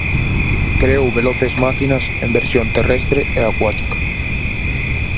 Creou veloces máquinas, en versión terrestre e acuática.